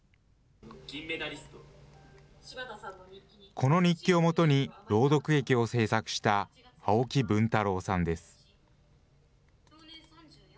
この日記をもとに朗読劇を制作した青木文太朗さんです。